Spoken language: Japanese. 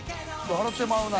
笑ってまうな。